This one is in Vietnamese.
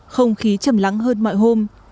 không khí chầm lắng hơn mọi hôm